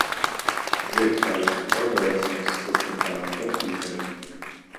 Երեք տարի հետո դերասանը սկսեց նկարահանվել ֆիլմերում։